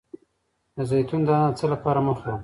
د زیتون دانه د څه لپاره مه خورم؟